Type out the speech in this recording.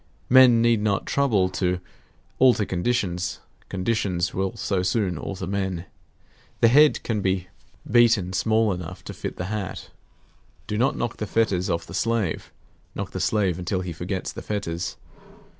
Men need not trouble to alter conditions, conditions will so soon alter men. The head can be beaten small enough to fit the hat. Do not knock the fetters off the slave; knock the slave until he forgets the fetters.